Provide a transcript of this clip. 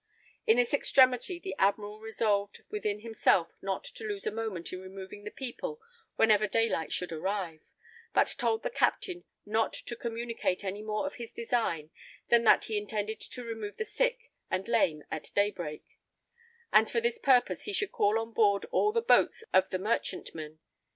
In this extremity the admiral resolved within himself not to lose a moment in removing the people whenever day light should arrive, but told the captain not to communicate any more of his design than that he intended to remove the sick and lame at day break; and for this purpose he should call on board all the boats of the merchantmen.